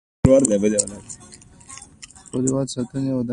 سهار د خوږې شېبې نښه ده.